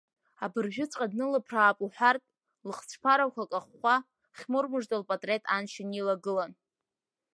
Абыржәыҵәҟьа днылԥраап уҳәартә, лыхцә ԥарақәа кахәхәа, Хьмур мыжда лпатреҭ аншьан илагылан.